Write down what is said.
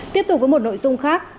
tiếp tục với một nội dung khác